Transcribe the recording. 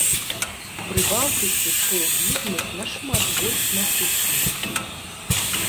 Прыбалтыцы шоў-бізнэс нашмат больш насычаны.